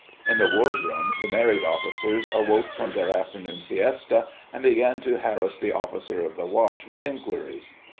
In the Wardroom the married officers awoke from their afternoon siesta and began to harass the Officer of the Watch with inquiries.